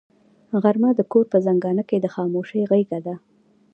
غرمه د کور په زنګانه کې د خاموشۍ غېږه ده